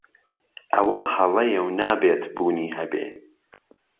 ئهوه ههڵهیه و نابێت بوونی ههبێ